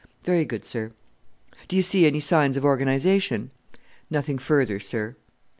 "Very good, sir." "Do you see any signs of organization?" "Nothing further, sir."